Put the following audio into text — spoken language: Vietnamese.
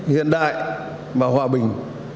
hiện đại và hòa bình